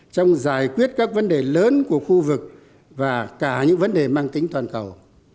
trong giải quyết các vấn đề lớn của khu vực và cả những vấn đề mang tính toàn cầu